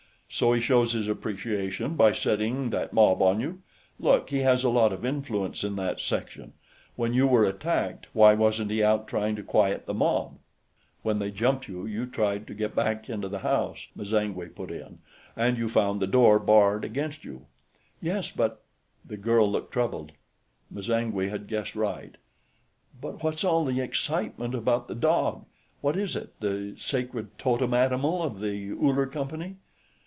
"So he shows his appreciation by setting that mob on you. Look, he has a lot of influence in that section. When you were attacked, why wasn't he out trying to quiet the mob?" "When they jumped you, you tried to get back into the house," M'zangwe put in. "And you found the door barred against you." "Yes, but...." The girl looked troubled; M'zangwe had guessed right. "But what's all the excitement about the dog? What is it, the sacred totem animal of the Uller Company?"